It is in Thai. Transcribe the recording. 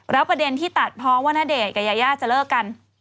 แล้วประเด็นที่ตัดเพราะว่าณเดชน์กับยายาจะเลิกกัน